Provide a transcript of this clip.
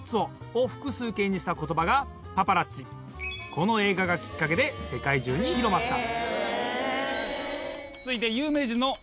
この映画がきっかけで世界中に広まった。